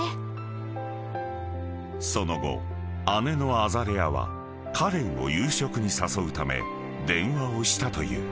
［その後姉のアザレアはカレンを夕食に誘うため電話をしたという］